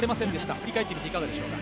振り返ってみていかがでしょうか。